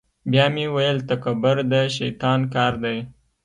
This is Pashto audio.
بیا مې ویل تکبر د شیطان کار دی.